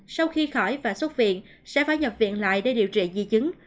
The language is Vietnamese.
sau khi khỏi và xuất viện sẽ phải nhập viện lại để điều trị di chứng